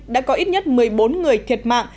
đã có ít nhất một mươi bốn người thiệt mạng